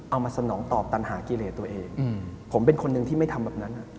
มาสนองตอบตันหากิเลตัวเองผมเป็นคนหนึ่งที่ไม่ทำแบบนั้น